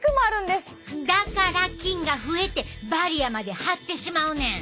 だから菌が増えてバリアまで張ってしまうねん。